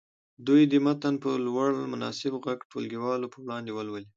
دوی دې متن په لوړ مناسب غږ ټولګیوالو په وړاندې ولولي.